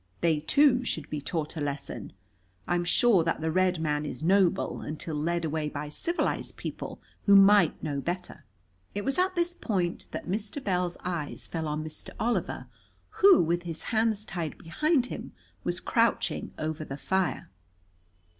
They too should be taught a lesson. I am sure that the red man is noble until led away by civilized people who might know better." It was at this point that Mr. Bell's eyes fell on Mr. Oliver, who with his hands tied behind him was crouching over the fire.